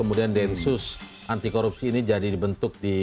apakah saya reformasinya juga